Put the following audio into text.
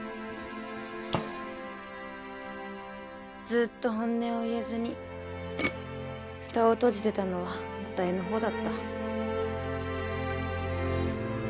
ずっと本音を言えずにふたを閉じてたのはあたいのほうだった。